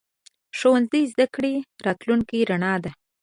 د ښوونځي زده کړه راتلونکې رڼا ده.